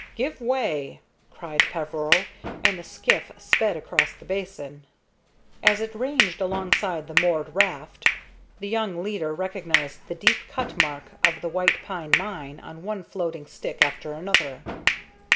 "Give way!" cried Peveril, and the skiff sped across the basin. As it ranged alongside the moored raft, the young leader recognized the deep cut mark of the White Pine Mine on one floating stick after another.